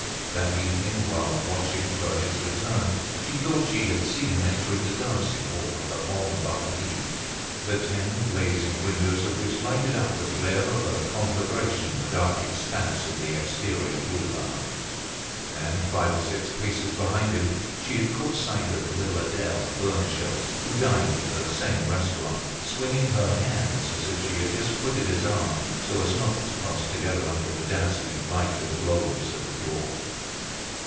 That evening, while watching for his return, she thought she had seen him enter the dancing hall of the "Grand Balcony," the ten blazing windows of which lighted up with the glare of a conflagration the dark expanse of the exterior Boulevards; and five or six paces behind him, she had caught sight of little Adele, a burnisher, who dined at the same restaurant, swinging her hands, as if she had just quitted his arm so as not to pass together under the dazzling light of the globes at the door.